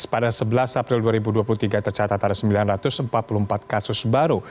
pada sebelas april dua ribu dua puluh tiga tercatat ada sembilan ratus empat puluh empat kasus baru